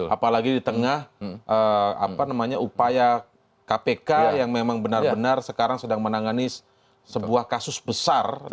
apalagi di tengah upaya kpk yang memang benar benar sekarang sedang menangani sebuah kasus besar